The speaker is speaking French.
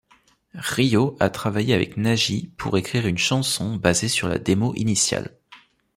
Ryo a travaillé avec Nagi pour écrire une chanson basée sur la démo initial.